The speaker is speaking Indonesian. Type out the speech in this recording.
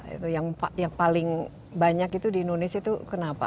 itu yang paling banyak itu di indonesia itu kenapa